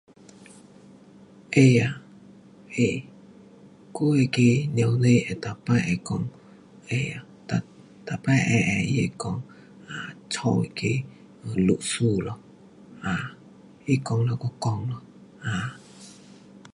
会啊，会，我那个母亲会每次会讲，会啊，每，每次会会她会讲，啊，家那个历史咯。啊，她讲了又讲咯。啊